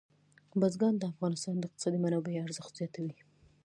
بزګان د افغانستان د اقتصادي منابعو ارزښت زیاتوي.